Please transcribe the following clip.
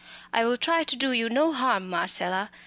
I will try and do you no harm, Marcella.